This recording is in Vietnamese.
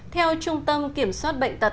theo trung tâm kiểm soát bệnh tật